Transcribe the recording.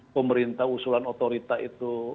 pemerintah usulan otorita itu